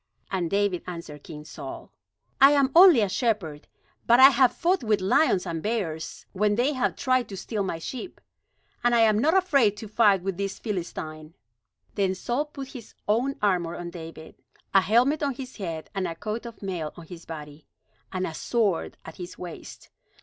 And David answered King Saul: "I am only a shepherd, but I have fought with lions and bears, when they have tried to steal my sheep. And I am not afraid to fight with this Philistine." Then Saul put his own armor on David a helmet on his head, and a coat of mail on his body, and a sword at his waist.